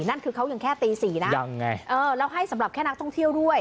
นั่นคือเขายังแค่ตี๔นะแล้วให้สำหรับแค่นักท่องเที่ยวด้วย